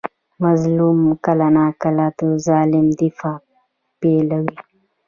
مظلوم کله ناکله د ظالم دفاع پیلوي.